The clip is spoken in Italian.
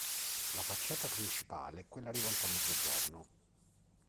La facciata principale è quella rivolta a mezzogiorno.